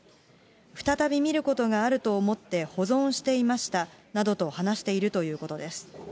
再び見ることがあると思って保存していましたなどと話しているということです。